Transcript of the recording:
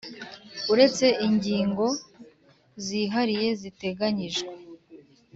Uretse ingingo zihariye ziteganyijwe